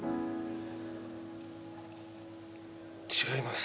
違います